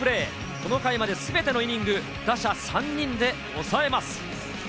この回まで全てのイニング、打者３人で抑えます。